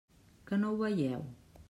Que no ho veieu?